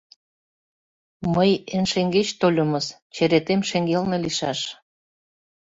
— Мый эн шеҥгеч тольымыс, черетем шеҥгелне лийшаш.